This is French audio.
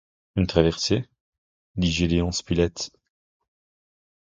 Une traversée? dit Gédéon Spilett.